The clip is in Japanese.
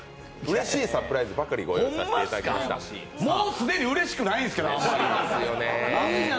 もう既にうれしくないんですけど。